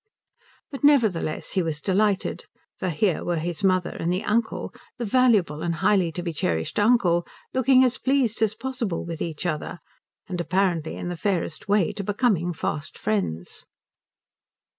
But nevertheless he was delighted; for here were his mother and the uncle the valuable and highly to be cherished uncle looking as pleased as possible with each other, and apparently in the fairest way to becoming fast friends.